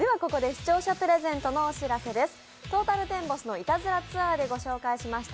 視聴者プレゼントのお知らせです。